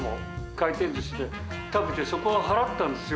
回転ずしで食べて、そこは払ったんですよ。